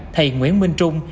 thầy nguyễn minh trung